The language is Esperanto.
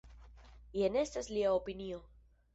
Jen estas lia opinio.